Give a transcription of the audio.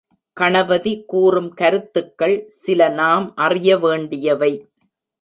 கணபதி கூறும் கருத்துக்கள் சில நாம் அறிய வேண்டியவை.